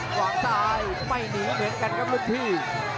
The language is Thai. ขวางซ้ายไม่หนีเหมือนกันครับรุ่นพี่